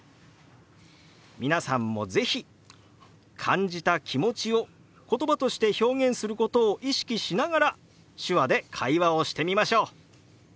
皆さんも是非感じた気持ちを言葉として表現することを意識しながら手話で会話をしてみましょう！